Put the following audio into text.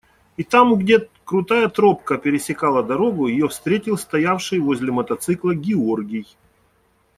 И там, где крутая тропка пересекала дорогу, ее встретил стоявший возле мотоцикла Георгий.